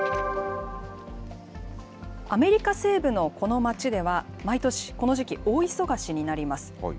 アメリカ西部のこの町では、毎年、この時期、大忙しになります。